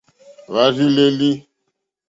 Hwá rzí lélí.